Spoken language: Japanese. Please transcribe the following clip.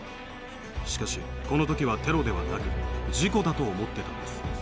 しかしこのときはテロではなく、事故だと思ってたんです。